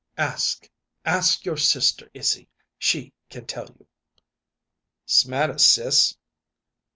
"Ask ask your sister, Izzy; she can tell you." "'Smater, sis?"